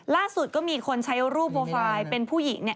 ล่าสุดก็มีคนใช้รูปโปรไฟล์เป็นผู้หญิงเนี่ย